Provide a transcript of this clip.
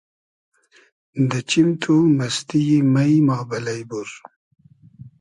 دۂ چیم تو مئستی یی مݷ ما بئلݷ بور